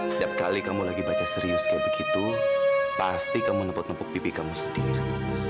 setiap kali kamu lagi baca serius kayak begitu pasti kamu nepuk nepuk pipi kamu sendiri